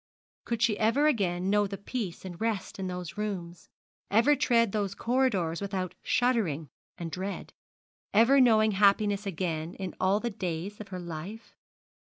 Could she ever again know peace and rest in those rooms; ever tread those corridors without shuddering and dread, ever know happiness again in all the days of her life?